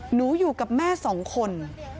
อยู่กับแม่สองคน